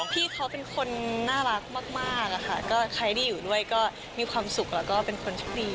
พี่เขาเป็นคนน่ารักมากอะค่ะก็ใครที่อยู่ด้วยก็มีความสุขแล้วก็เป็นคนโชคดี